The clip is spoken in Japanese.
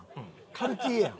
カルティエやん。